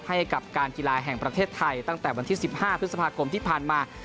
ให้กับการกีฬาแห่งประเทศไทยตั้งแต่วันที่๑๕พฤษภาคมที่ผ่านมา